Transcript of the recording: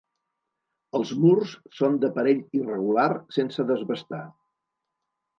Els murs són d'aparell irregular sense desbastar.